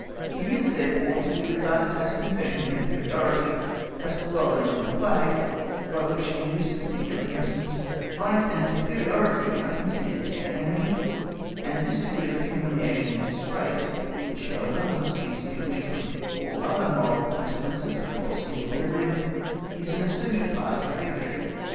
It is, therefore, to be regarded as a confession of inferiority—as the lowering of the flag, by which, in this particular instance, right and superiority are conceded to the enemy, and this degree of humiliation and disgrace, which, however, must be distinguished from all the other moral consequences of the loss of equilibrium, is an essential part of the victory.